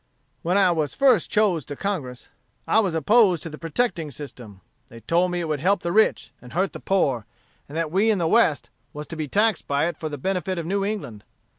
"When I was first chose to Congress, I was opposed to the protecting system. They told me it would help the rich, and hurt the poor; and that we in the West was to be taxed by it for the benefit of New England.